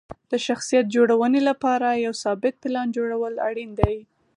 د شخصیت جوړونې لپاره یو ثابت پلان جوړول اړین دي.